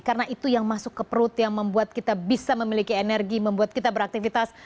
karena itu yang masuk ke perut yang membuat kita bisa memiliki energi membuat kita beraktivitas